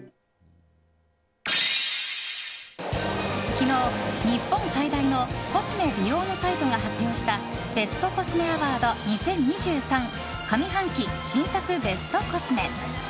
昨日、日本最大のコスメ・美容のサイトが発表したベストコスメアワード２０２３上半期新作ベストコスメ。